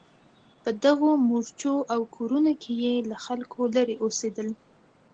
په دغو مورچو او کورونو کې یې له خلکو لرې اوسېدل.